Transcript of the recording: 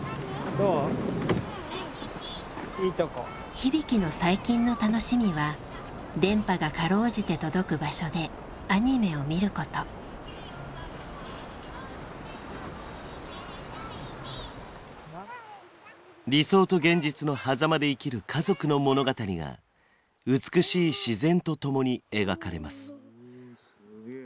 日々貴の最近の楽しみは電波がかろうじて届く場所でアニメを見ること理想と現実のはざまで生きる家族の物語が美しい自然と共に描かれます。